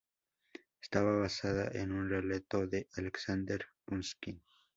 Está basada en un relato de Alexander Pushkin.